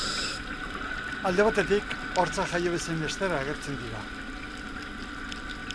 Alde batetik, hortzak jaio bezain laster agertzen dira.